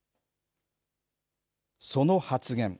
その発言。